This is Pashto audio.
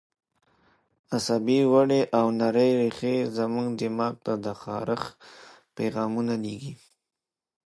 عصبي وړې او نرۍ رېښې زموږ دماغ ته د خارښ پیغامونه لېږي.